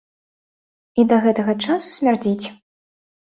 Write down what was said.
І да гэтага часу смярдзіць.